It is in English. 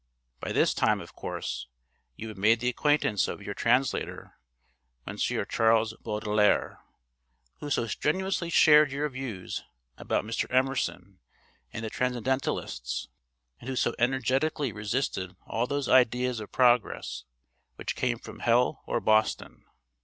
By this time, of course, you have made the acquaintance of your translator, M. Charles Baudelaire, who so strenuously shared your views about Mr. Emerson and the Transcendentalists, and who so energetically resisted all those ideas of 'progress' which 'came from Hell or Boston.'